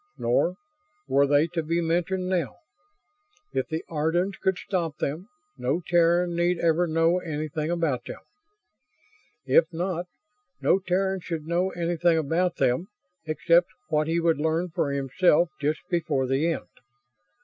Nor were they to be mentioned now. If the Ardans could stop them, no Terran need ever know anything about them. If not, no Terran should know anything about them except what he would learn for himself just before the end.